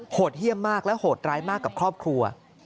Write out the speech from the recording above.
เยี่ยมมากและโหดร้ายมากกับครอบครัว